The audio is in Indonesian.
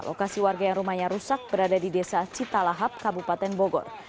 lokasi warga yang rumahnya rusak berada di desa citalahap kabupaten bogor